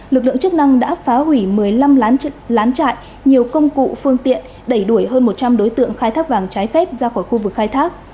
lực lượng chức năng đã phá hủy một mươi năm lán lán trại nhiều công cụ phương tiện đẩy đuổi hơn một trăm linh đối tượng khai thác vàng trái phép ra khỏi khu vực khai thác